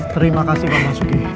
terima kasih pak basuki